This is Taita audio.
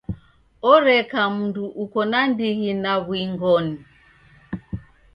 Oreka mndu uko na ndighi na w'uing'oni.